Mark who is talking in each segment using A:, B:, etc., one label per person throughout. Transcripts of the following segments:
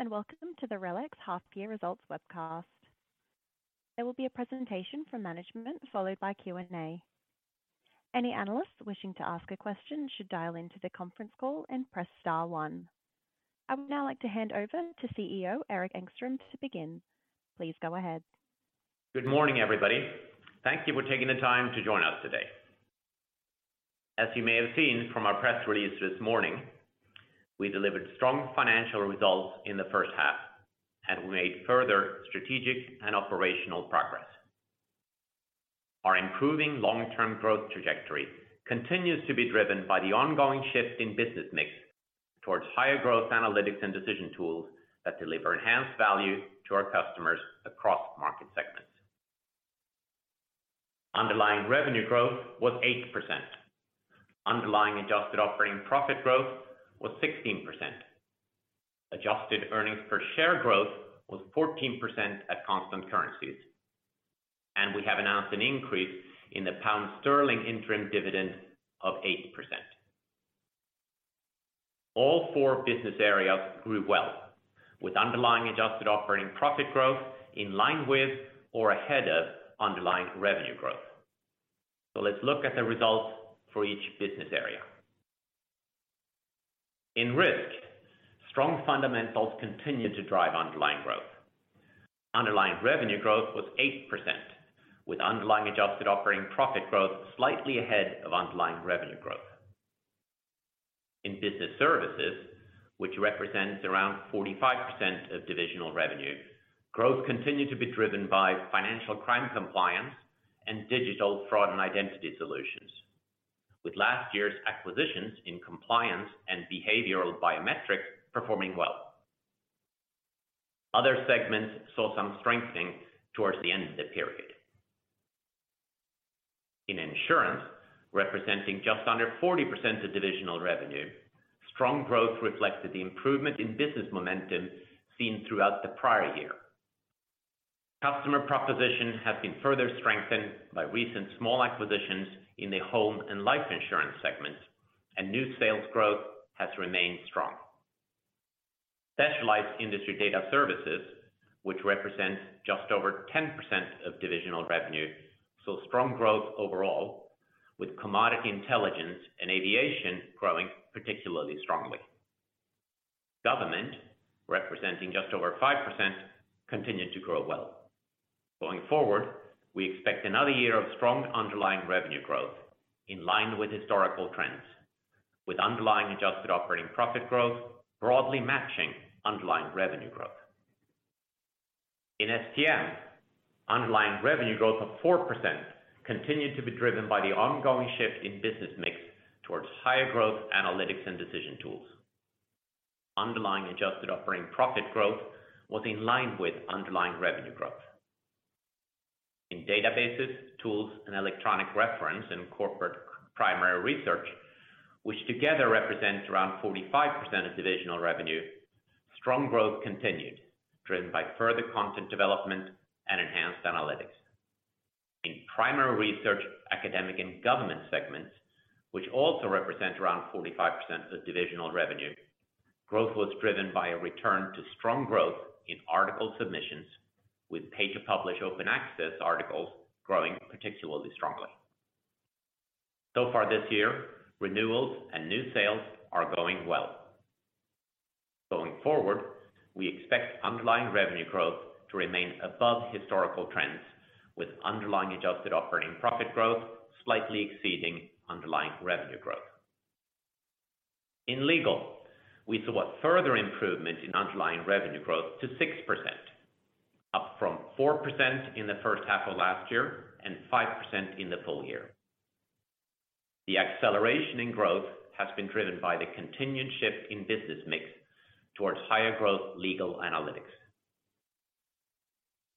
A: Hello, welcome to the RELX Half Year Results webcast. There will be a presentation from management, followed by Q&A. Any analysts wishing to ask a question should dial into the conference call and press star one. I would now like to hand over to CEO, Erik Engstrom, to begin. Please go ahead.
B: Good morning, everybody. Thank you for taking the time to join us today. As you may have seen from our press release this morning, we delivered strong financial results in the first half, and we made further strategic and operational progress. Our improving long-term growth trajectory continues to be driven by the ongoing shift in business mix towards higher growth analytics and decision tools that deliver enhanced value to our customers across market segments. Underlying revenue growth was 8%. Underlying adjusted operating profit growth was 16%. Adjusted earnings per share growth was 14% at constant currencies, and we have announced an increase in the pound interim dividend of 8%. All four business areas grew well, with underlying adjusted operating profit growth in line with or ahead of underlying revenue growth. Let's look at the results for each business area. In Risk, strong fundamentals continued to drive underlying growth. Underlying revenue growth was 8%, with underlying adjusted operating profit growth slightly ahead of underlying revenue growth. In Business Services, which represents around 45% of divisional revenue, growth continued to be driven by financial crime compliance and digital fraud and identity solutions, with last year's acquisitions in compliance and behavioral biometrics performing well. Other segments saw some strengthening towards the end of the period. In Insurance, representing just under 40% of divisional revenue, strong growth reflected the improvement in business momentum seen throughout the prior year. Customer proposition has been further strengthened by recent small acquisitions in the home and life insurance segments, and new sales growth has remained strong. Specialized Industry Data Services, which represents just over 10% of divisional revenue, saw strong growth overall, with commodity intelligence and aviation growing particularly strongly. Government, representing just over 5%, continued to grow well. Going forward, we expect another year of strong underlying revenue growth in line with historical trends, with underlying adjusted operating profit growth broadly matching underlying revenue growth. In STM, underlying revenue growth of 4% continued to be driven by the ongoing shift in business mix towards higher growth, analytics and decision tools. Underlying adjusted operating profit growth was in line with underlying revenue growth. In Databases, Tools, and Electronic Reference and Corporate Primary Research, which together represents around 45% of divisional revenue, strong growth continued, driven by further content development and enhanced analytics. In Primary Research, Academic and Government segments, which also represent around 45% of divisional revenue, growth was driven by a return to strong growth in article submissions, with pay-to-publish open access articles growing particularly strongly. For this year, renewals and new sales are going well. Going forward, we expect underlying revenue growth to remain above historical trends, with underlying adjusted operating profit growth slightly exceeding underlying revenue growth. In Legal, we saw further improvement in underlying revenue growth to 6%, up from 4% in the first half of last year and 5% in the full year. The acceleration in growth has been driven by the continued shift in business mix towards higher growth Legal Analytics.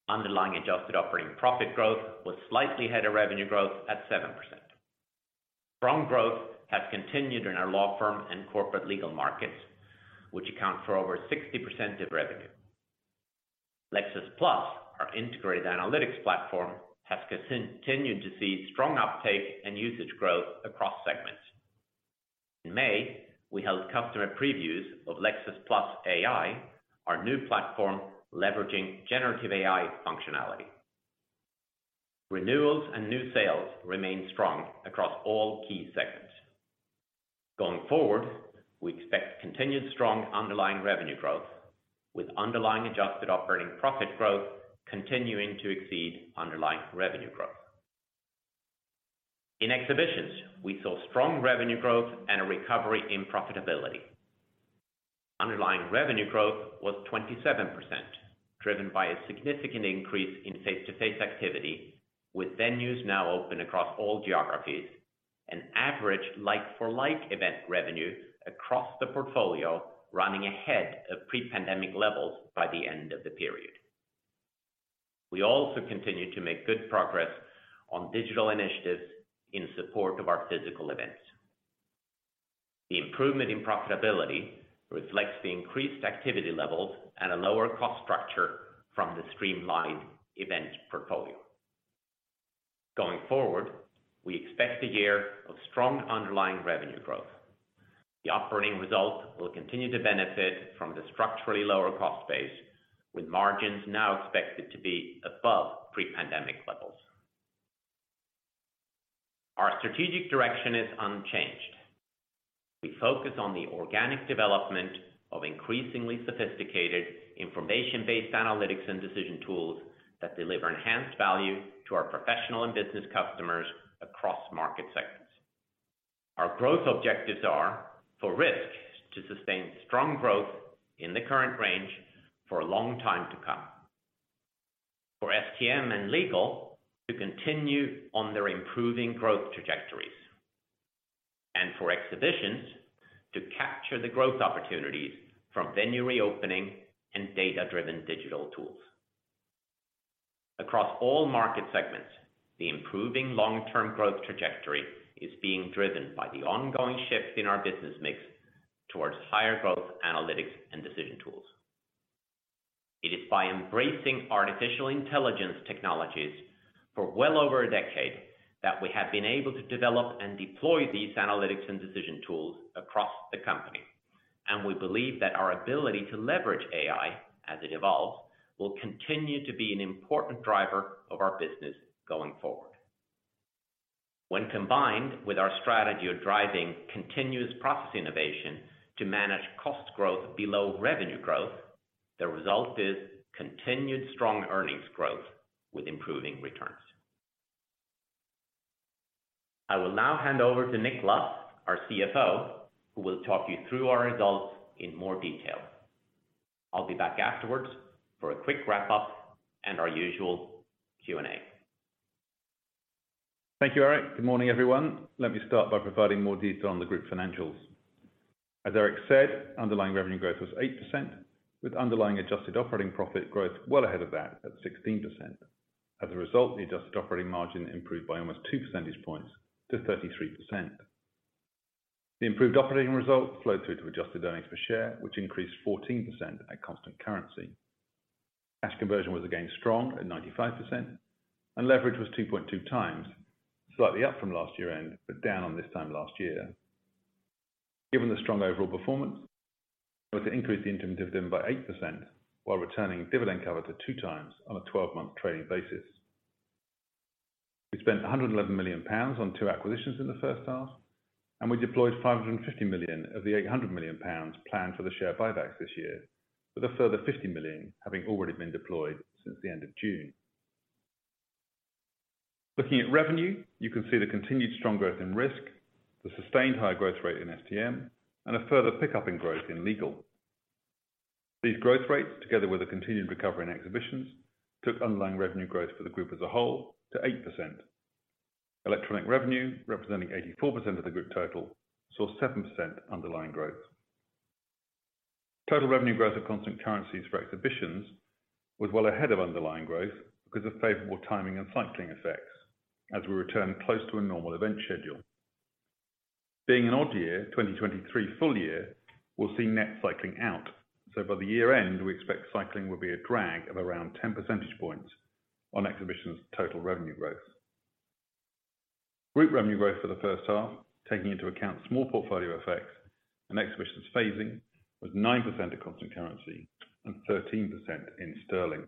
B: Underlying adjusted operating profit growth was slightly ahead of revenue growth at 7%. Strong growth has continued in our law firm and corporate legal markets, which account for over 60% of revenue. Lexis+, our integrated analytics platform, has continued to see strong uptake and usage growth across segments. In May, we held customer previews of Lexis+ AI, our new platform, leveraging generative AI functionality. Renewals and new sales remain strong across all key segments. We expect continued strong underlying revenue growth, with underlying adjusted operating profit growth continuing to exceed underlying revenue growth. In Exhibitions, we saw strong revenue growth and a recovery in profitability. Underlying revenue growth was 27%, driven by a significant increase in face-to-face activity, with venues now open across all geographies and average like-for-like event revenue across the portfolio running ahead of pre-pandemic levels by the end of the period. We also continued to make good progress on digital initiatives in support of our physical events. The improvement in profitability reflects the increased activity levels and a lower cost structure from the streamlined event portfolio. We expect a year of strong underlying revenue growth. The operating results will continue to benefit from the structurally lower cost base, with margins now expected to be above pre-pandemic levels. Our strategic direction is unchanged. We focus on the organic development of increasingly sophisticated information-based analytics and decision tools that deliver enhanced value to our professional and business customers across market segments. Our growth objectives are for Risk to sustain strong growth in the current range for a long time to come. For STM and Legal, to continue on their improving growth trajectories, and for Exhibitions to capture the growth opportunities from venue reopening and data-driven digital tools. Across all market segments, the improving long-term growth trajectory is being driven by the ongoing shift in our business mix towards higher growth, analytics and decision tools. It is by embracing artificial intelligence technologies for well over a decade, that we have been able to develop and deploy these analytics and decision tools across the company, and we believe that our ability to leverage AI as it evolves, will continue to be an important driver of our business going forward. When combined with our strategy of driving continuous process innovation to manage cost growth below revenue growth, the result is continued strong earnings growth with improving returns. I will now hand over to Nick Luff, our CFO, who will talk you through our results in more detail. I'll be back afterwards for a quick wrap-up and our usual Q&A.
C: Thank you, Erik. Good morning, everyone. Let me start by providing more detail on the group financials. As Erik said, underlying revenue growth was 8%, with underlying adjusted operating profit growth well ahead of that at 16%. As a result, the adjusted operating margin improved by almost two percentage points to 33%. The improved operating results flowed through to adjusted earnings per share, which increased 14% at constant currency. Cash conversion was again strong at 95%, and leverage was 2.2x, slightly up from last year end, but down on this time last year. Given the strong overall performance, we had to increase the interim dividend by 8% while returning dividend cover to 2x on a 12-month trading basis. We spent 111 million pounds on two acquisitions in the first half. We deployed 550 million of the 800 million pounds planned for the share buybacks this year, with a further 50 million having already been deployed since the end of June. Looking at revenue, you can see the continued strong growth in Risk, the sustained high growth rate in STM, and a further pickup in growth in Legal. These growth rates, together with a continued recovery in Exhibitions, took underlying revenue growth for the group as a whole to 8%. Electronic revenue, representing 84% of the group total, saw 7% underlying growth. Total revenue growth of constant currencies for Exhibitions was well ahead of underlying growth because of favorable timing and cycling effects as we return close to a normal event schedule. Being an odd year, 2023 full year will see net cycling out. By the year end, we expect cycling will be a drag of around 10 percentage points on Exhibitions total revenue growth. Group revenue growth for the first half, taking into account small portfolio effects and Exhibitions phasing, was 9% at constant currency and 13% in sterling.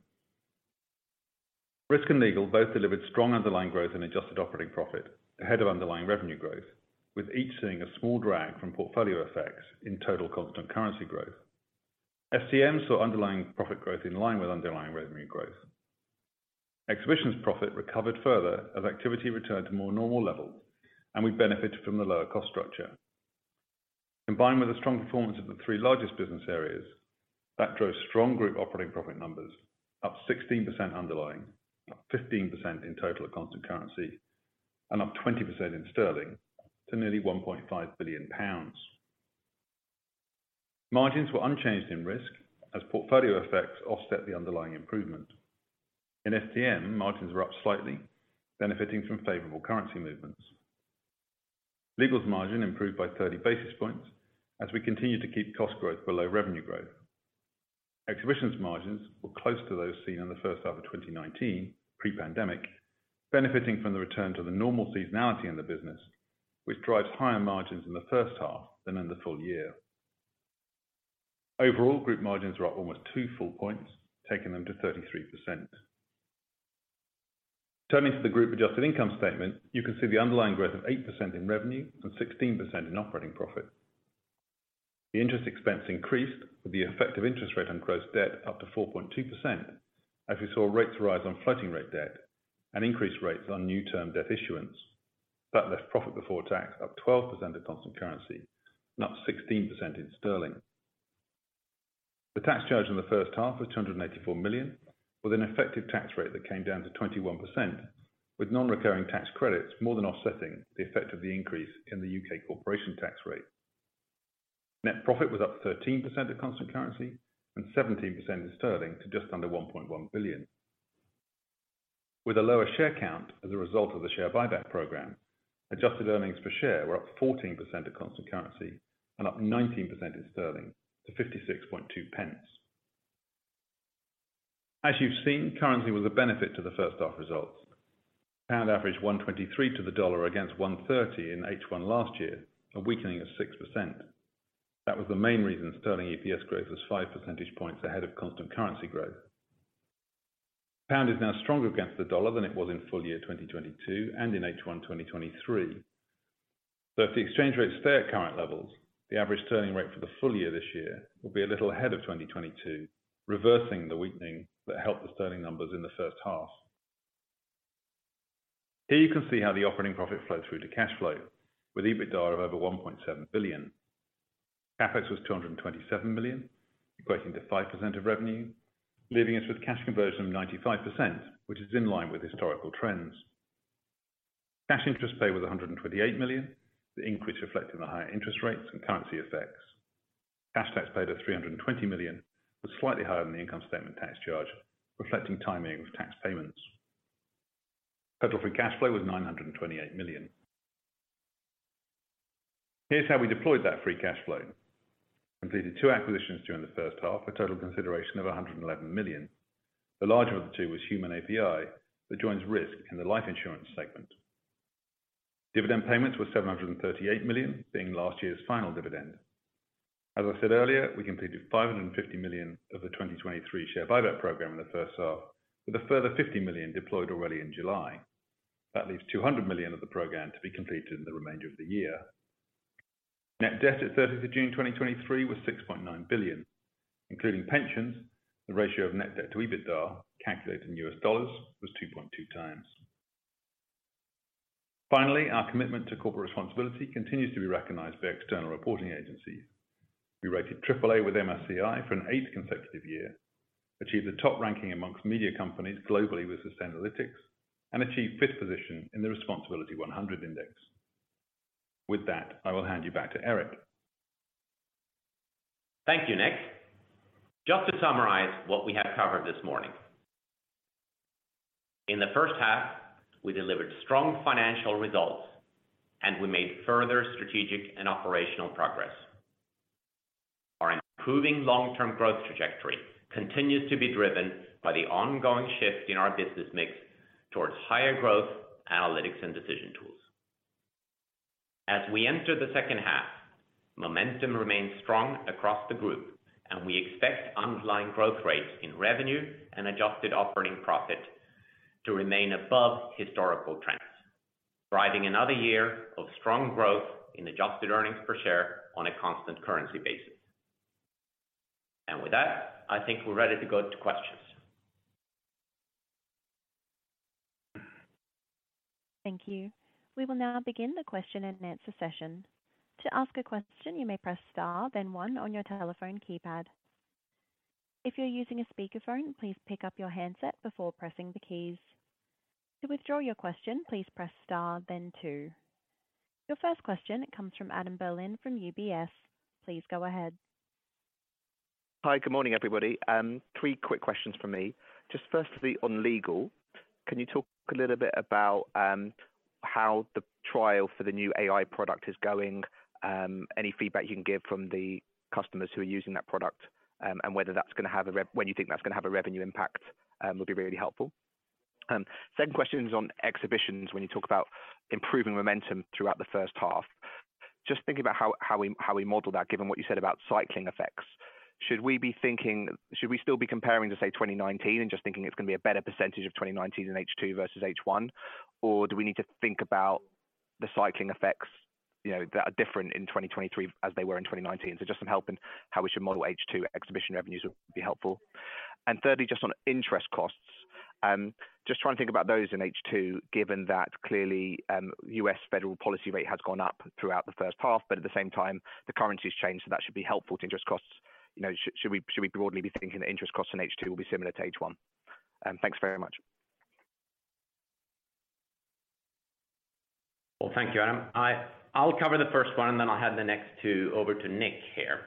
C: Risk and Legal both delivered strong underlying growth in adjusted operating profit ahead of underlying revenue growth, with each seeing a small drag from portfolio effects in total constant currency growth. STM saw underlying profit growth in line with underlying revenue growth. Exhibitions profit recovered further as activity returned to more normal levels, we benefited from the lower cost structure. Combined with the strong performance of the three largest business areas, that drove strong group operating profit numbers up 16% underlying, up 15% in total at constant currency, and up 20% in sterling to nearly 1.5 billion pounds. Margins were unchanged in Risk as portfolio effects offset the underlying improvement. In STM, margins were up slightly, benefiting from favorable currency movements. Legal's margin improved by 30 basis points as we continued to keep cost growth below revenue growth. Exhibitions margins were close to those seen in the first half of 2019 pre-pandemic, benefiting from the return to the normal seasonality in the business, which drives higher margins in the first half than in the full year. Overall, group margins were up almost two full points, taking them to 33%. Turning to the group adjusted income statement, you can see the underlying growth of 8% in revenue and 16% in operating profit. The interest expense increased, with the effective interest rate on gross debt up to 4.2%. As we saw rates rise on floating rate debt and increased rates on new term debt issuance, that left profit before tax up 12% at constant currency, and up 16% in sterling. The tax charge in the first half was 284 million, with an effective tax rate that came down to 21%, with non-recurring tax credits more than offsetting the effect of the increase in the U.K. corporation tax rate. Net profit was up 13% at constant currency and 17% in sterling to just under 1.1 billion. With a lower share count as a result of the share buyback program, adjusted earnings per share were up 14% at constant currency and up 19% in sterling to 0.562. As you've seen, currency was a benefit to the first half results. Pound averaged 1.23 to the dollar against 1.30 in H1 last year, a weakening of 6%. That was the main reason sterling EPS growth was 5 percentage points ahead of constant currency growth. Pound is now stronger against the dollar than it was in full year 2022 and in H1 2023. If the exchange rates stay at current levels, the average sterling rate for the full year this year will be a little ahead of 2022, reversing the weakening that helped the sterling numbers in the first half. Here you can see how the operating profit flows through to cash flow with EBITDA of over 1.7 billion. CapEx was 227 million, equating to 5% of revenue, leaving us with cash conversion of 95%, which is in line with historical trends. Cash interest paid was 128 million, the increase reflecting the higher interest rates and currency effects. Cash tax paid of 320 million was slightly higher than the income statement tax charge, reflecting timing of tax payments. Total free cash flow was 928 million. Here's how we deployed that free cash flow. Completed two acquisitions during the first half, a total consideration of 111 million. The larger of the two was Human API, that joins Risk in the life insurance segment. Dividend payments were 738 million, being last year's final dividend. As I said earlier, we completed 550 million of the 2023 share buyback program in the first half, with a further 50 million deployed already in July. That leaves 200 million of the program to be completed in the remainder of the year. Net debt at 30th of June 2023 was 6.9 billion, including pensions, the ratio of net debt to EBITDA, calculated in U.S. dollars, was 2.2x. Finally, our commitment to corporate responsibility continues to be recognized by external reporting agencies. We rated AAA with MSCI for an eight consecutive year, achieved the top ranking amongst media companies globally with Sustainalytics, and achieved fifth position in the Responsibility100 Index. With that, I will hand you back to Erik.
B: Thank you, Nick. Just to summarize what we have covered this morning. In the first half, we delivered strong financial results and we made further strategic and operational progress. Our improving long-term growth trajectory continues to be driven by the ongoing shift in our business mix towards higher growth, analytics, and decision tools. As we enter the second half, momentum remains strong across the group, and we expect underlying growth rates in revenue and adjusted operating profit to remain above historical trends, driving another year of strong growth in adjusted earnings per share on a constant currency basis. With that, I think we're ready to go to questions.
A: Thank you. We will now begin the question-and-answer session. To ask a question, you may press star, then one on your telephone keypad. If you're using a speakerphone, please pick up your handset before pressing the keys. To withdraw your question, please press star then two. Your first question comes from Adam Berlin from UBS. Please go ahead.
D: Hi, good morning, everybody. Three quick questions from me. Just firstly, on Legal, can you talk a little bit about how the trial for the new AI product is going? Any feedback you can give from the customers who are using that product, and whether that's going to have a when you think that's going to have a revenue impact, will be really helpful. Second question is on Exhibitions, when you talk about improving momentum throughout the first half. Just thinking about how we model that, given what you said about cycling effects. Should we still be comparing to, say, 2019 and just thinking it's going to be a better percentage of 2019 in H2 versus H1? Do we need to think about the cycling effects, you know, that are different in 2023 as they were in 2019? Just some help in how we should model H2 exhibition revenues would be helpful. Thirdly, just on interest costs, just trying to think about those in H2, given that clearly, U.S. federal policy rate has gone up throughout the first half, but at the same time, the currency has changed, so that should be helpful to interest costs. You know, should we, should we broadly be thinking that interest costs in H2 will be similar to H1? Thanks very much.
B: Well, thank you, Adam. I'll cover the first one, and then I'll hand the next two over to Nick here.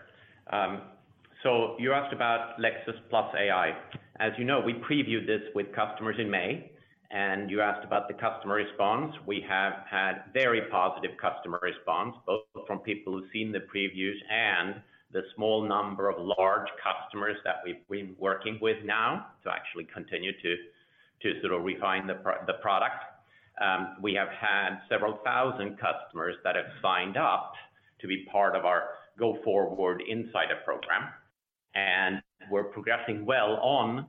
B: You asked about Lexis+ AI. As you know, we previewed this with customers in May, and you asked about the customer response. We have had very positive customer response, both from people who've seen the previews and the small number of large customers that we've been working with now to actually continue to sort of refine the product. We have had several thousand customers that have signed up to be part of our go-forward insider program, and we're progressing well on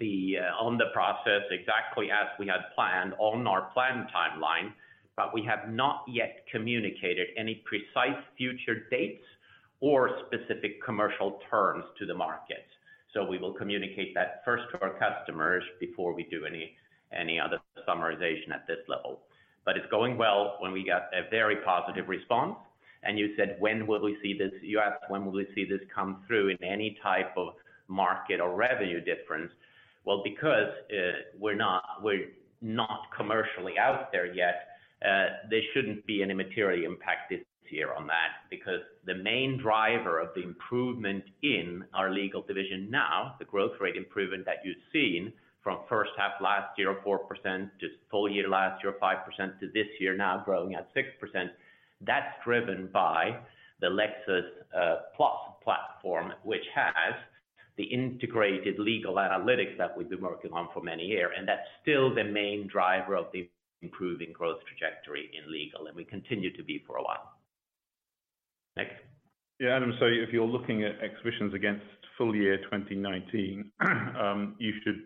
B: the process, exactly as we had planned on our planned timeline. We have not yet communicated any precise future dates or specific commercial terms to the market. We will communicate that first to our customers before we do any other summarization at this level. It's going well when we got a very positive response. You said, "When will we see this?" You asked, "When will we see this come through in any type of market or revenue difference?" Well, because we're not commercially out there yet, there shouldn't be any material impact this year on that. Because the main driver of the improvement in our Legal division now, the growth rate improvement that you've seen from first half last year, 4%, to full year last year, 5%, to this year now growing at 6%, that's driven by the Lexis+ platform, which has. The integrated Legal Analytics that we've been working on for many years, and that's still the main driver of the improving growth trajectory in Legal, and will continue to be for a while. Nick?
C: Yeah, Adam, if you're looking at Exhibitions against full year 2019, you should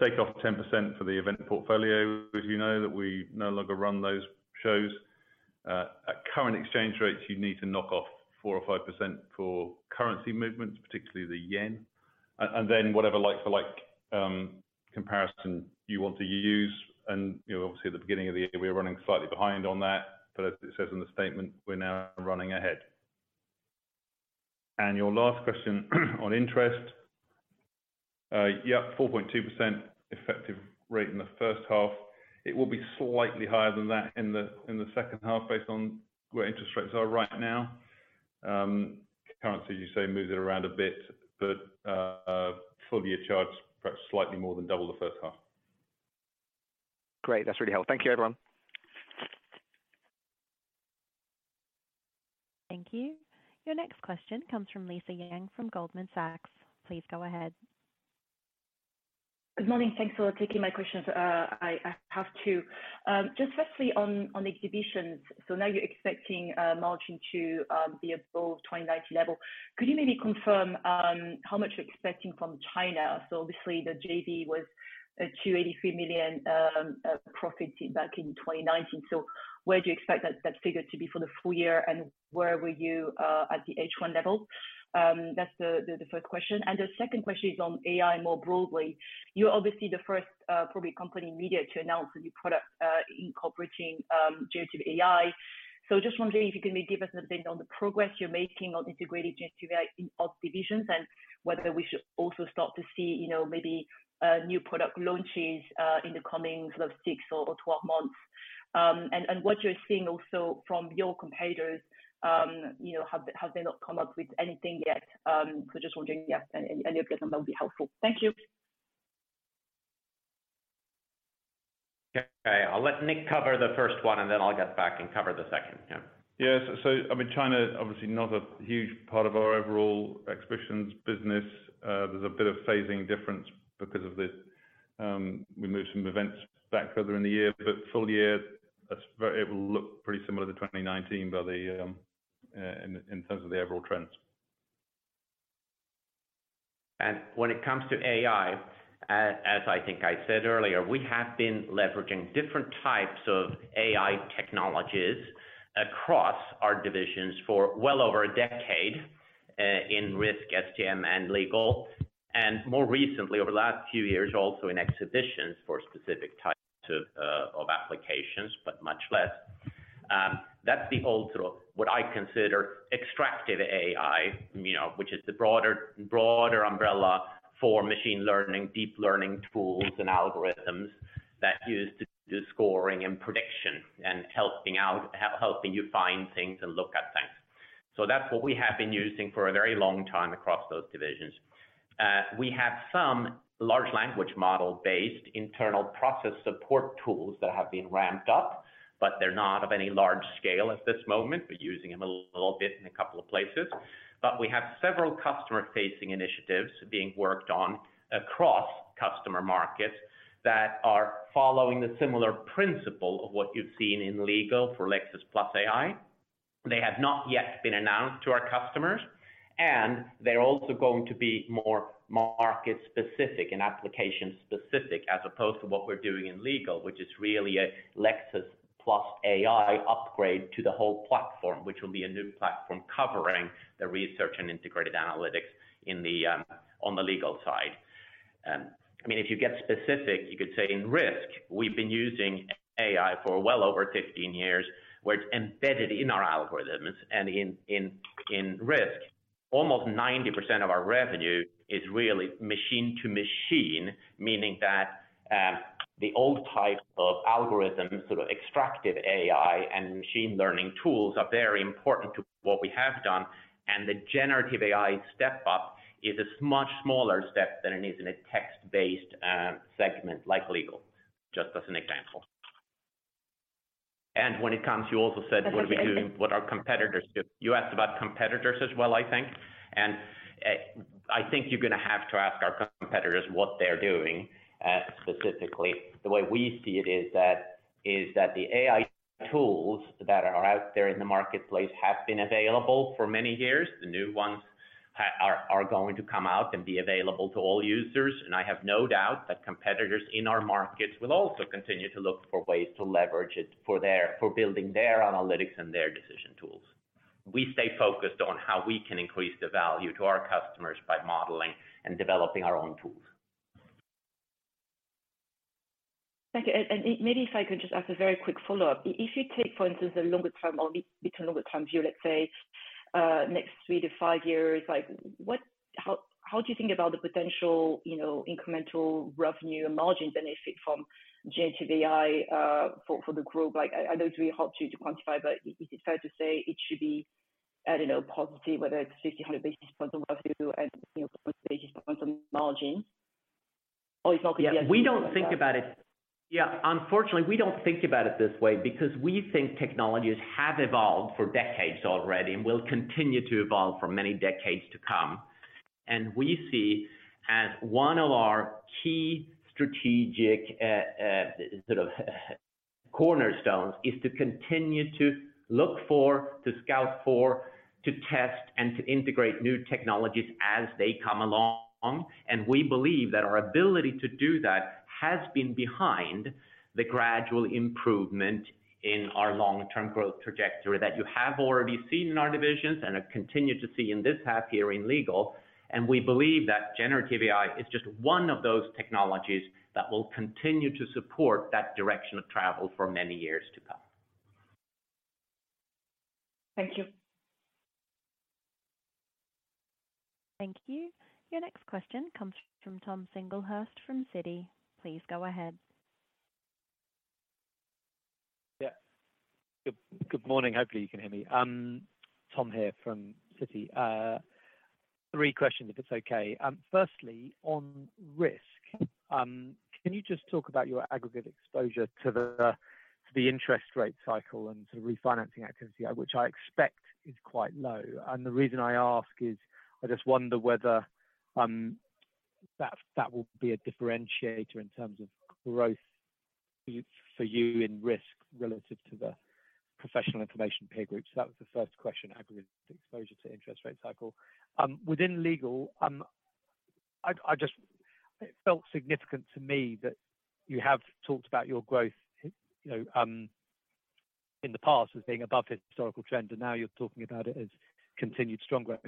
C: take off 10% for the event portfolio. As you know, that we no longer run those shows. At current exchange rates, you'd need to knock off 4% or 5% for currency movements, particularly the yen. Whatever like for like comparison you want to use. You know, obviously, the beginning of the year, we were running slightly behind on that, but as it says in the statement, we're now running ahead. Your last question, on interest. Yeah, 4.2% effective rate in the first half. It will be slightly higher than that in the second half, based on where interest rates are right now. Currency, you say, moves it around a bit, but full year charge, perhaps slightly more than double the first half.
E: Great. That's really helpful. Thank you, everyone.
A: Thank you. Your next question comes from Lisa Yang of Goldman Sachs. Please go ahead.
F: Good morning. Thanks for taking my questions. I have two. Firstly on the Exhibitions. Now you're expecting margin to be above 2019 level. Could you maybe confirm how much you're expecting from China? Obviously, the JV was a 283 million profit back in 2019. Where do you expect that figure to be for the full year, and where were you at the H1 level? That's the first question. The second question is on AI more broadly. You're obviously the first probably company in media to announce a new product incorporating generative AI. Just wondering if you can maybe give us an update on the progress you're making on integrated generative AI in all divisions, and whether we should also start to see, you know, maybe new product launches in the coming sort of six or 12 months. What you're seeing also from your competitors, you know, have they not come up with anything yet? Just wondering, any update on that will be helpful. Thank you.
B: Okay. I'll let Nick cover the first one, and then I'll get back and cover the second one.
C: Yes. I mean, China, obviously not a huge part of our overall Exhibitions business. There's a bit of phasing difference because of the, we moved some events back further in the year. Full year, it will look pretty similar to 2019. In terms of the overall trends.
B: When it comes to AI, as I think I said earlier, we have been leveraging different types of AI technologies across our divisions for well over a decade, in Risk, STM, and Legal, and more recently, over the last few years, also in Exhibitions for specific types of applications, but much less. That's the old school, what I consider extractive AI, you know, which is the broader umbrella for machine learning, deep learning tools and algorithms that use to do scoring and prediction and helping you find things and look up things. That's what we have been using for a very long time across those divisions. We have some large language model-based internal process support tools that have been ramped up, but they're not of any large scale at this moment. We're using them a little bit in a couple of places, but we have several customer-facing initiatives being worked on across customer markets that are following the similar principle of what you've seen in Legal for Lexis+ AI. They have not yet been announced to our customers. They're also going to be more market-specific and application-specific, as opposed to what we're doing in Legal, which is really a Lexis+ AI upgrade to the whole platform, which will be a new platform covering the research and integrated analytics in the on the Legal side. I mean, if you get specific, you could say in Risk, we've been using AI for well over 15 years, where it's embedded in our algorithms and in Risk. Almost 90% of our revenue is really machine to machine, meaning that, the old type of algorithms, sort of extractive AI and machine learning tools, are very important to what we have done. The generative AI step up is a much smaller step than it is in a text-based segment like Legal, just as an example. When it comes, you also said, What are we doing? What are competitors doing? You asked about competitors as well, I think. I think you're going to have to ask our competitors what they're doing specifically. The way we see it is that, is that the AI tools that are out there in the marketplace have been available for many years. The new ones are going to come out and be available to all users. I have no doubt that competitors in our markets will also continue to look for ways to leverage it for building their analytics and their decision tools. We stay focused on how we can increase the value to our customers by modeling and developing our own tools.
F: Thank you. Maybe if I could just ask a very quick follow-up. If you take, for instance, a longer-term or longer-term view, let's say, next three to five years, like, what. How do you think about the potential, you know, incremental revenue and margins benefit from generative AI for the group? Like, I know it's really hard for you to quantify, but is it fair to say it should be, I don't know, positive, whether it's 50, 100 basis points or whatever, and, you know, basis points on margin?
B: We don't think about it. Yeah, unfortunately, we don't think about it this way because we think technologies have evolved for decades already and will continue to evolve for many decades to come. We see as one of our key strategic, sort of, cornerstones is to continue to look for, to scout for, to test, and to integrate new technologies as they come along. We believe that our ability to do that has been behind the gradual improvement in our long-term growth trajectory that you have already seen in our divisions and have continued to see in this half year in Legal. We believe that generative AI is just one of those technologies that will continue to support that direction of travel for many years to come.
F: Thank you.
A: Thank you. Your next question comes from Tom Singlehurst from Citi. Please go ahead.
G: Yeah. Good, good morning. Hopefully, you can hear me. Tom here from Citi. Three questions, if it's okay. Firstly, on Risk, can you just talk about your aggregate exposure to the interest rate cycle and to refinancing activity, which I expect is quite low? The reason I ask is, I just wonder whether that will be a differentiator in terms of growth for you in Risk relative to the professional information peer group. That was the first question, aggregate exposure to interest rate cycle. Within Legal, It felt significant to me that you have talked about your growth, you know, in the past as being above historical trend, and now you're talking about it as continued strong growth.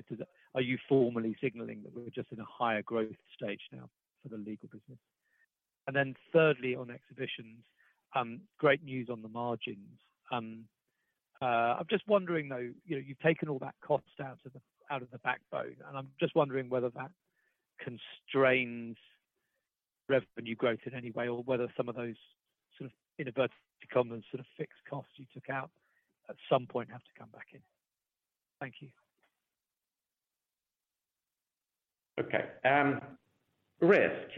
G: Are you formally signaling that we're just in a higher growth stage now for the Legal business? Thirdly, on Exhibitions, great news on the margins. I'm just wondering, though, you know, you've taken all that cost out of the backbone, and I'm just wondering whether that constrains revenue growth in any way, or whether some of those sort of in a bud become sort of fixed costs you took out at some point have to come back in? Thank you.
B: Okay. Risk,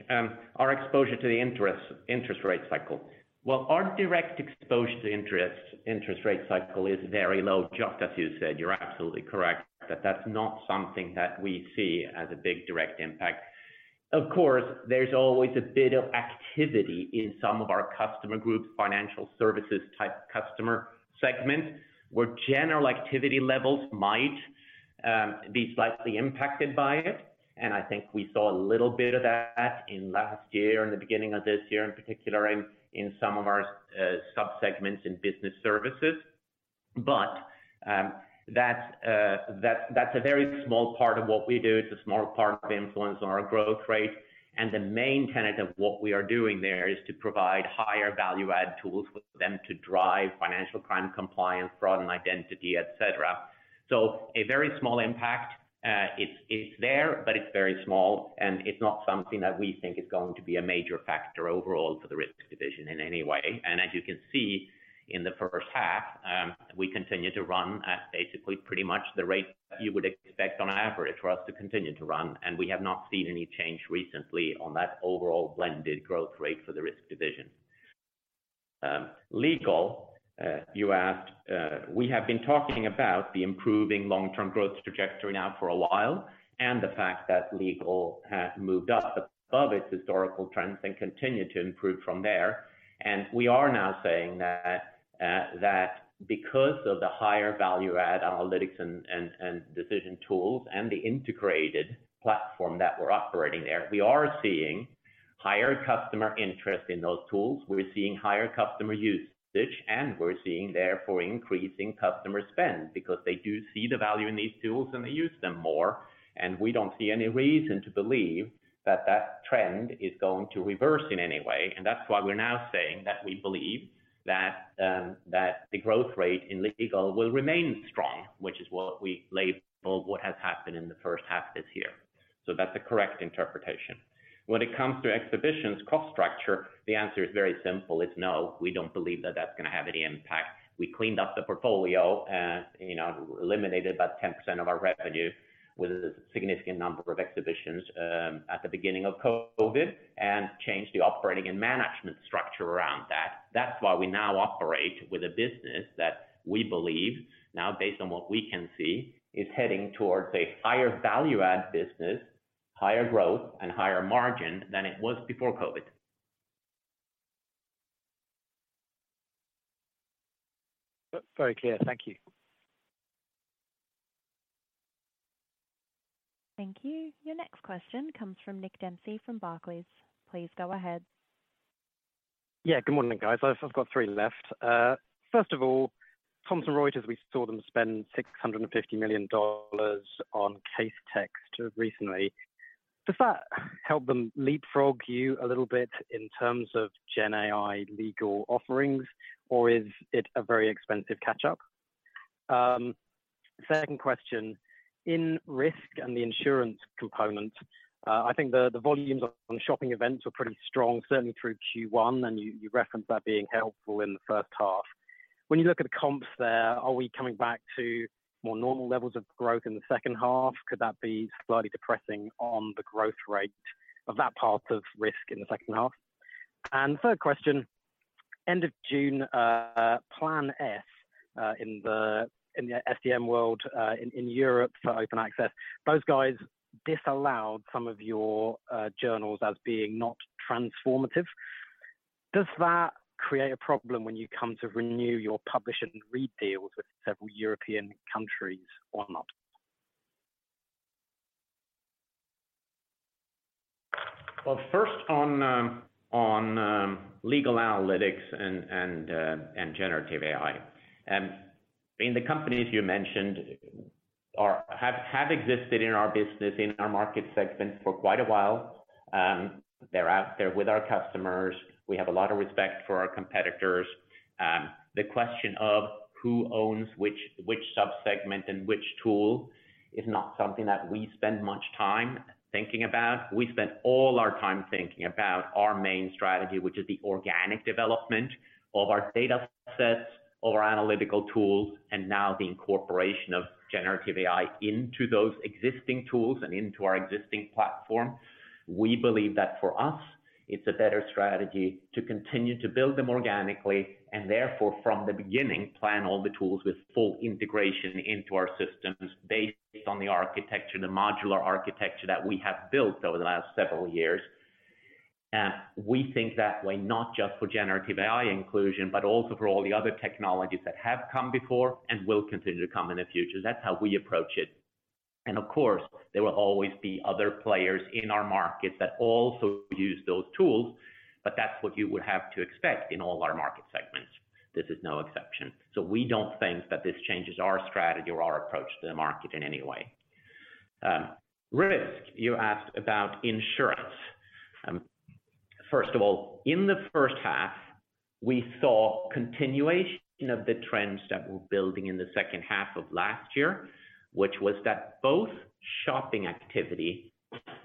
B: our exposure to the interest rate cycle. Well, our direct exposure to interest rate cycle is very low, just as you said. You're absolutely correct that that's not something that we see as a big direct impact. Of course, there's always a bit of activity in some of our customer groups, financial services type customer segments, where general activity levels might be slightly impacted by it. I think we saw a little bit of that in last year and the beginning of this year, in particular, in some of our subsegments in Business Services. That's a very small part of what we do. It's a small part of the influence on our growth rate. The main tenet of what we are doing there is to provide higher value add tools for them to drive financial crime, compliance, fraud and identity, et cetera. A very small impact. It's there, but it's very small, and it's not something that we think is going to be a major factor overall for the Risk division in any way. As you can see, in the first half, we continue to run at basically pretty much the rate you would expect on average for us to continue to run, and we have not seen any change recently on that overall blended growth rate for the Risk division. Legal, you asked. We have been talking about the improving long-term growth trajectory now for a while and the fact that Legal has moved up above its historical trends and continued to improve from there. We are now saying that because of the higher value add analytics and decision tools and the integrated platform that we're operating there, we are seeing higher customer interest in those tools. We're seeing higher customer usage, and we're seeing therefore, increasing customer spend, because they do see the value in these tools, and they use them more, and we don't see any reason to believe that that trend is going to reverse in any way. That's why we're now saying that we believe that the growth rate in Legal will remain strong, which is what we labeled what has happened in the first half this year. That's a correct interpretation. When it comes to Exhibitions' cost structure, the answer is very simple, it's no, we don't believe that that's going to have any impact. We cleaned up the portfolio and, you know, eliminated about 10% of our revenue with a significant number of Exhibitions at the beginning of COVID and changed the operating and management structure around that. That's why we now operate with a business that we believe now, based on what we can see, is heading towards a higher value add business, higher growth and higher margin than it was before COVID.
G: Very clear. Thank you.
A: Thank you. Your next question comes from Nick Dempsey from Barclays. Please go ahead.
H: Yeah, good morning, guys. I've got three left. First of all, Thomson Reuters, we saw them spend $650 million on Casetext recently. Does that help them leapfrog you a little bit in terms of GenAI legal offerings, or is it a very expensive catch-up? Second question: in Risk and the insurance component, I think the volumes on shopping events were pretty strong, certainly through Q1, and you referenced that being helpful in the first half. When you look at the comps there, are we coming back to more normal levels of growth in the second half? Could that be slightly depressing on the growth rate of that part of Risk in the second half? Third question, end of June, Plan S, in the STM world, in Europe for open access, those guys disallowed some of your journals as being not transformative. Does that create a problem when you come to renew your publish and read deals with several European countries or not?
B: Well, first on Legal Analytics and generative AI. I mean, the companies you mentioned have existed in our business, in our market segment for quite a while. They're out there with our customers. We have a lot of respect for our competitors. The question of who owns which subsegment and which tool is not something that we spend much time thinking about. We spend all our time thinking about our main strategy, which is the organic development of our data sets, of our analytical tools, and now the incorporation of generative AI into those existing tools and into our existing platform. We believe that for us, it's a better strategy to continue to build them organically and therefore, from the beginning, plan all the tools with full integration into our systems based on the architecture, the modular architecture that we have built over the last several years. We think that way, not just for generative AI inclusion, but also for all the other technologies that have come before and will continue to come in the future. That's how we approach it. Of course, there will always be other players in our market that also use those tools, but that's what you would have to expect in all our market segments. This is no exception. We don't think that this changes our strategy or our approach to the market in any way. Risk, you asked about insurance. First of all, in the first half, we saw continuation of the trends that were building in the second half of last year, which was that both shopping activity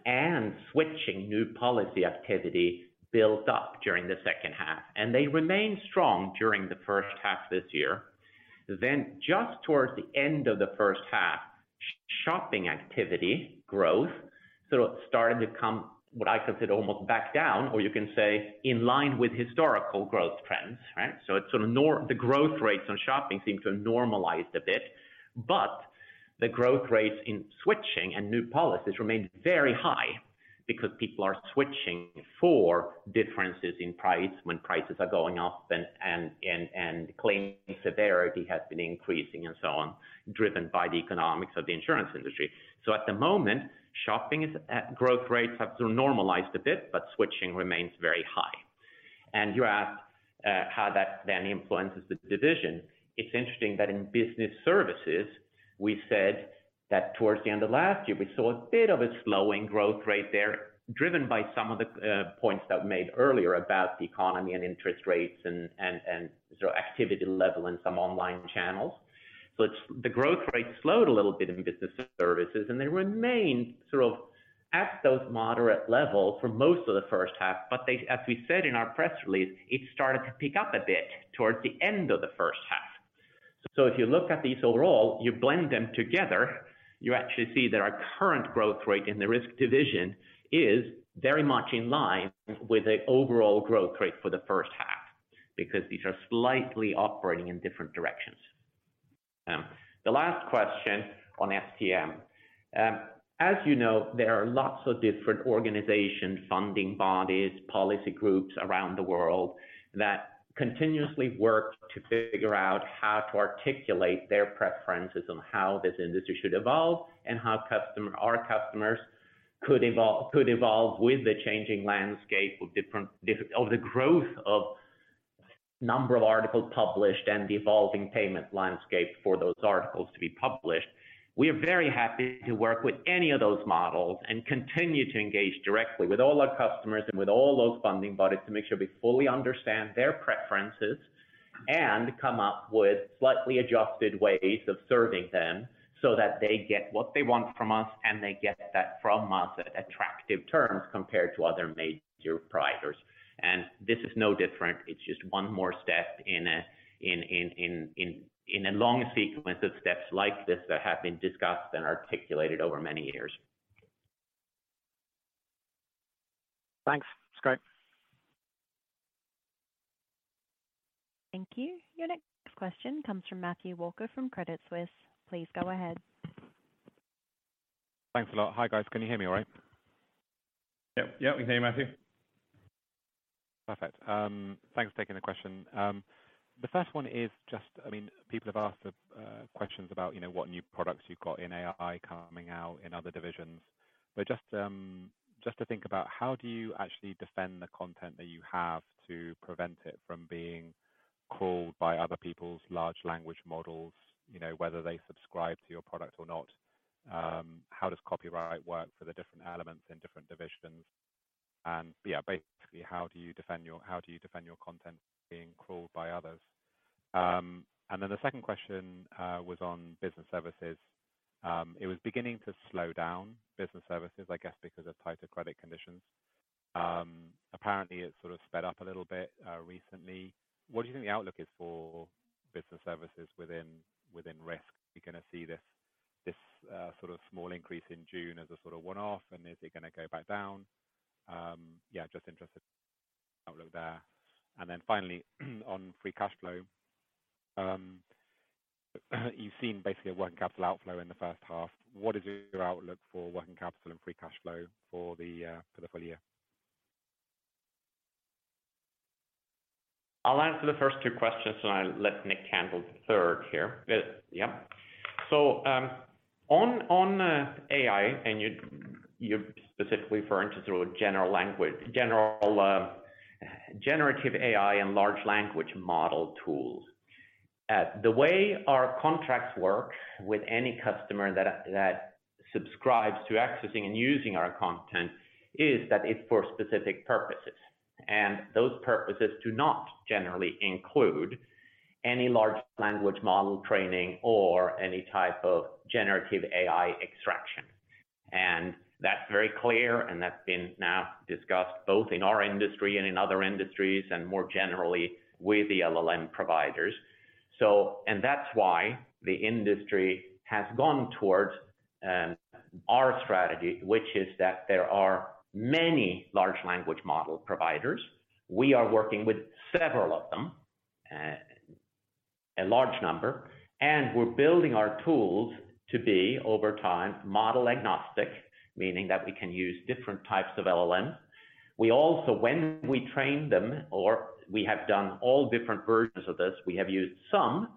B: and switching new policy activity built up during the second half, and they remained strong during the first half this year. Just towards the end of the first half, shopping activity growth sort of started to come, what I could say, almost back down, or you can say, in line with historical growth trends, right? It's sort of the growth rates on shopping seem to have normalized a bit, but the growth rates in switching and new policies remained very high because people are switching for differences in price when prices are going up and claim severity has been increasing and so on, driven by the economics of the insurance industry. At the moment, shopping is, growth rates have sort of normalized a bit, but switching remains very high. You asked how that then influences the division. It's interesting that in Business Services, we said that towards the end of last year, we saw a bit of a slowing growth rate there, driven by some of the points that were made earlier about the economy and interest rates and sort of activity level in some online channels. It's... the growth rate slowed a little bit in Business Services, and they remained sort of at those moderate levels for most of the first half, but they, as we said in our press release, it started to pick up a bit towards the end of the first half. If you look at these overall, you blend them together, you actually see that our current growth rate in the Risk division is very much in line with the overall growth rate for the first half, because these are slightly operating in different directions. The last question on STM. As you know, there are lots of different organizations, funding bodies, policy groups around the world that continuously work to figure out how to articulate their preferences on how this industry should evolve and how our customers could evolve with the changing landscape of different of the growth of number of articles published and the evolving payment landscape for those articles to be published. We are very happy to work with any of those models and continue to engage directly with all our customers and with all those funding bodies to make sure we fully understand their preferences and come up with slightly adjusted ways of serving them so that they get what they want from us, and they get that from us at attractive terms compared to other major providers. This is no different. It's just one more step in a long sequence of steps like this that have been discussed and articulated over many years.
H: Thanks. It's great.
A: Thank you. Your next question comes from Matthew Walker, from Credit Suisse. Please go ahead.
I: Thanks a lot. Hi, guys. Can you hear me all right?
B: Yep, we can hear you, Matthew.
I: Perfect. Thanks for taking the question. The first one is I mean, people have asked questions about, you know, what new products you've got in AI coming out in other divisions. Just to think about, how do you actually defend the content that you have to prevent it from being crawled by other people's large language models, you know, whether they subscribe to your product or not? How does copyright work for the different elements in different divisions? Yeah, basically, how do you defend your content being crawled by others? The second question was on Business Services. It was beginning to slow down Business Services, I guess because of tighter credit conditions. Apparently it sort of sped up a little bit recently. What do you think the outlook is for Business Services within Risk? Are you gonna see this sort of small increase in June as a sort of one-off, and is it gonna go back down? Yeah, just interested outlook there. Finally, on free cash flow. You've seen basically a working capital outflow in the first half. What is your outlook for working capital and free cash flow for the full year?
B: I'll answer the first two questions, and I'll let Nick handle the third here. Yeah. On AI, and you specifically referring to sort of general generative AI and large language model tools. The way our contracts work with any customer that subscribes to accessing and using our content is that it's for specific purposes, and those purposes do not generally include any large language model training or any type of generative AI extraction. That's very clear, and that's been now discussed both in our industry and in other industries and more generally with the LLM providers. That's why the industry has gone towards our strategy, which is that there are many large language model providers. We are working with several of them, a large number. We're building our tools to be, over time, model-agnostic, meaning that we can use different types of LLM. We also, when we train them or we have done all different versions of this, we have used some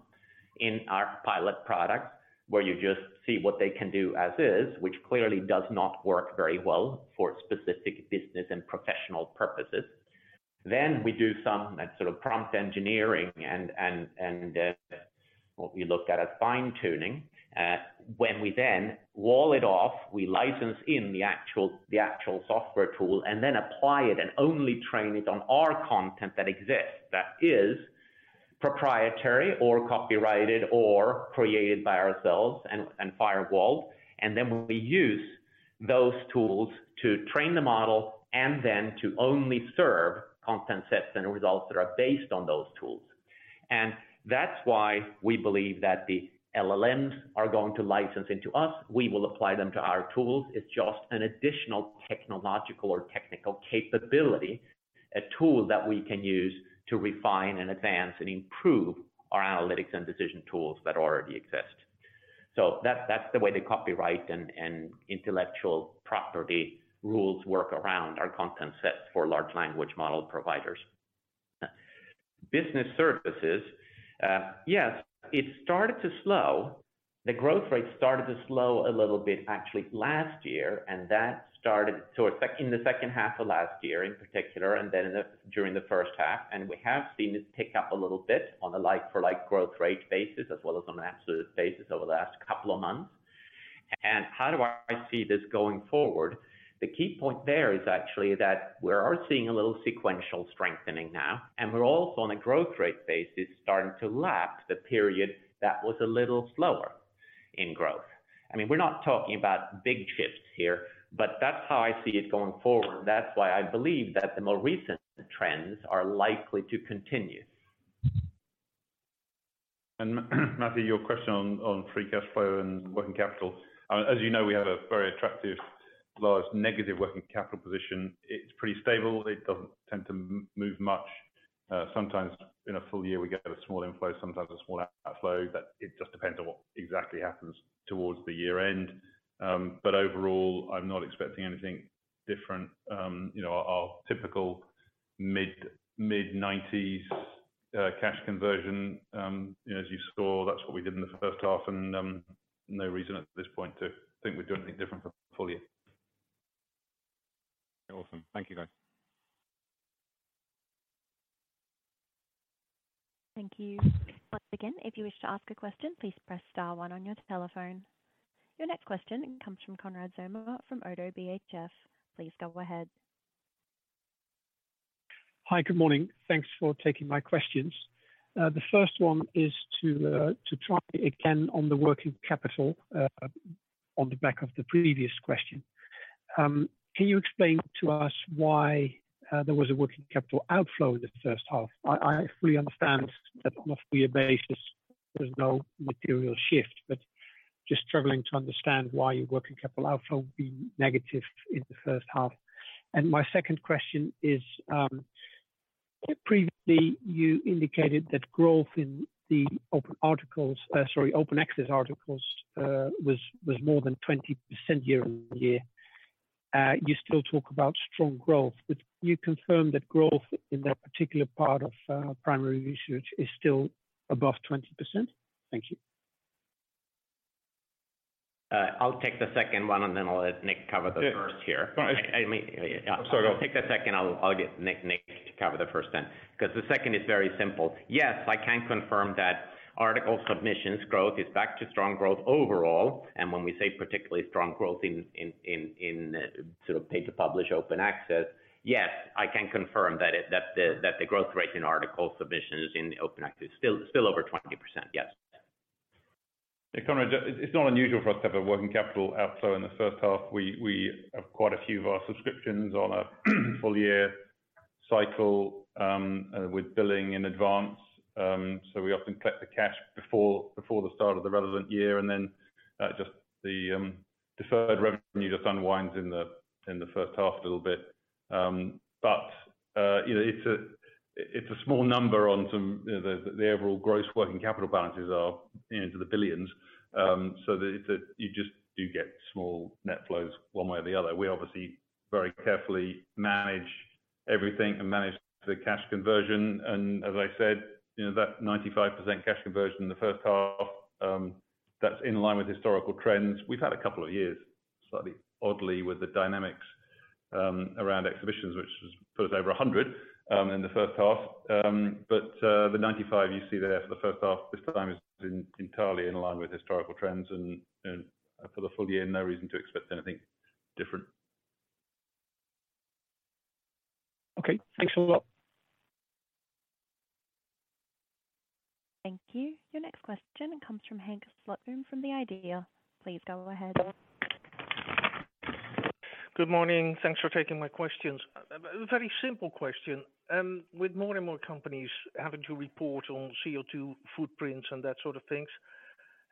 B: in our pilot products, where you just see what they can do as is, which clearly does not work very well for specific business and professional purposes. Then we do some sort of prompt engineering and what we look at as fine-tuning, when we then wall it off, we license in the actual software tool and then apply it and only train it on our content that exists. That is proprietary or copyrighted or created by ourselves and firewalled. Then we use those tools to train the model and then to only serve content sets and results that are based on those tools. That's why we believe that the LLMs are going to license into us. We will apply them to our tools. It's just an additional technological or technical capability, a tool that we can use to refine and advance and improve our analytics and decision tools that already exist. That's, that's the way the copyright and intellectual property rules work around our content sets for large language model providers. Business Services, yes, it started to slow. The growth rate started to slow a little bit actually last year, and that started towards in the second half of last year, in particular, and then the, during the first half. We have seen it tick up a little bit on a like-for-like growth rate basis as well as on an absolute basis over the last couple of months. How do I see this going forward? The key point there is actually that we are seeing a little sequential strengthening now, and we're also on a growth rate basis, starting to lap the period that was a little slower in growth. I mean, we're not talking about big shifts here, but that's how I see it going forward. That's why I believe that the more recent trends are likely to continue.
C: Matthew, your question on free cash flow and working capital. As you know, we have a very attractive, large negative working capital position. It's pretty stable. It doesn't tend to move much. Sometimes in a full year, we get a small inflow, sometimes a small outflow, but it just depends on what exactly happens towards the year end. Overall, I'm not expecting anything different. You know, our typical mid-1990s cash conversion, as you saw, that's what we did in the first half, no reason at this point to think we'd do anything different for the full year.
I: Awesome. Thank you, guys.
A: Thank you. Once again, if you wish to ask a question, please press star one on your telephone. Your next question comes from Konrad Zomer from Oddo BHF. Please go ahead.
J: Hi, good morning. Thanks for taking my questions. The first one is to try again on the working capital on the back of the previous question. Can you explain to us why there was a working capital outflow in the first half? I fully understand that on a full year basis, there's no material shift, but just struggling to understand why your working capital outflow would be negative in the first half. My second question is, previously, you indicated that growth in the open articles, sorry, open access articles, was more than 20% year on year. You still talk about strong growth. Could you confirm that growth in that particular part of primary research is still above 20%? Thank you.
B: I'll take the second one, and then I'll let Nick cover the first here.
J: Yeah.
B: I mean.
J: Sorry, go.
B: I'll take the second, I'll get Nick to cover the first then, because the second is very simple. Yes, I can confirm that article submissions growth is back to strong growth overall. When we say particularly strong growth in sort of pay to publish open access, yes, I can confirm that the growth rate in article submissions in open access is still over 20%. Yes.
C: Konrad, it's not unusual for us to have a working capital outflow in the first half. We have quite a few of our subscriptions on a full year cycle, with billing in advance. We often collect the cash before the start of the relevant year, just the deferred revenue unwinds in the first half a little bit. You know, it's a small number on some, you know, the overall gross working capital balances are into the billions. You just do get small net flows one way or the other. We obviously very carefully manage everything and manage the cash conversion, as I said, you know, that 95% cash conversion in the first half, that's in line with historical trends. We've had a couple of years, slightly oddly, with the dynamics around Exhibitions, which was put us over 100 in the first half. The 95 you see there for the first half, this time is in entirely in line with historical trends and for the full year, no reason to expect anything different.
J: Okay, thanks a lot.
A: Thank you. Your next question comes from Henk Slotboom from The IDEA!. Please go ahead.
K: Good morning. Thanks for taking my questions. A very simple question. With more and more companies having to report on CO2 footprints and that sort of things,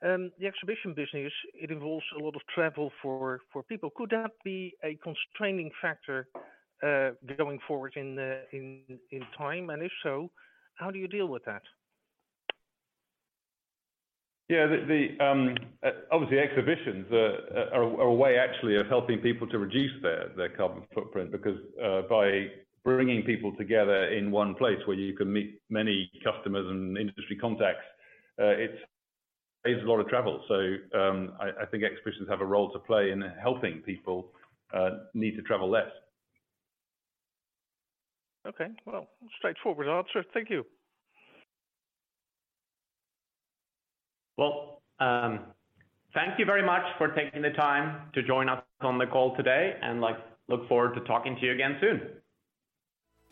K: the exhibition business, it involves a lot of travel for people. Could that be a constraining factor going forward in time? If so, how do you deal with that?
C: Obviously, Exhibitions are a way actually of helping people to reduce their carbon footprint, because by bringing people together in one place where you can meet many customers and industry contacts, it saves a lot of travel. I think Exhibitions have a role to play in helping people need to travel less.
K: Okay, well, straightforward answer. Thank you.
B: Thank you very much for taking the time to join us on the call today, and I look forward to talking to you again soon.